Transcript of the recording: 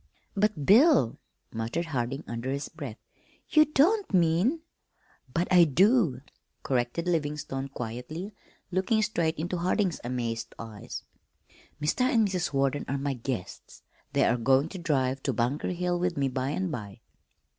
"But, Bill," muttered Harding under his breath, "you don't mean " "But I do," corrected Livingstone quietly, looking straight into Harding's amazed eyes. "Mr. and Mrs. Warden are my guests. They are going to drive to Bunker Hill with me by and by."